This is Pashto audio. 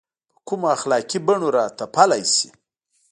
په کومو اخلاقي بڼو راتپلی شي.